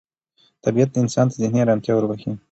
طبیعت انسان ته ذهني ارامتیا وربخښي